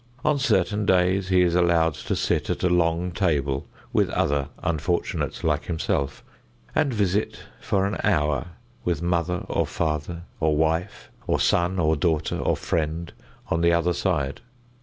On certain days he is allowed to sit at a long table with other unfortunates like himself, and visit for an hour with mother or father or wife or son or daughter or friend on the other side.